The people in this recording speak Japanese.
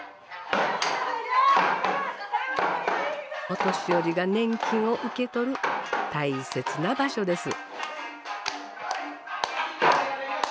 お年寄りが年金を受け取る大切な場所です。